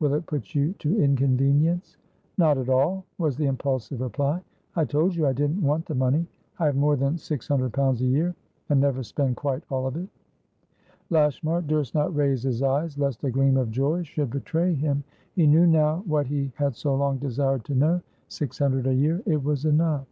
Will it put you to inconvenience?" "Not at all!" was the impulsive reply. "I told you I didn't want the money. I have more than six hundred pounds a year, and never spend quite all of it." Lashmar durst not raise his eyes lest a gleam of joy should betray him. He knew now what he had so long desired to know. Six hundred a year; it was enough.